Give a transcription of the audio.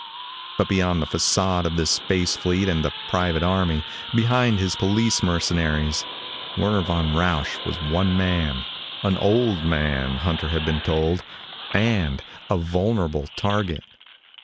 But behind the façade of his spacefleet and his private army, behind his police mercenaries, Werner von Rausch was one man an old man, Hunter had been told and a vulnerable target.